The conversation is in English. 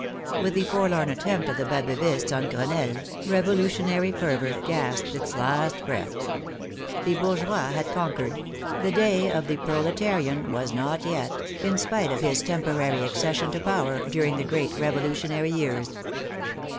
With the forlorn attempt of the Baboeuvists on Cre nelle, revolutionary fervor gasped its last breath. The Bourgeois had conquered; the day of the Proletarian was not yet, in spite of his temporary accession to power during the great revolutionary years.